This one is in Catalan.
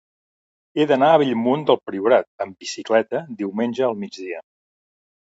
He d'anar a Bellmunt del Priorat amb bicicleta diumenge al migdia.